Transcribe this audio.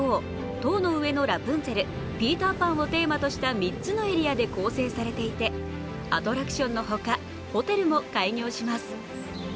「塔の上のラプンツェル」「ピーター・パン」をテーマとした３つのエリアで構成されていて、アトラクションのほか、ホテルも開業します。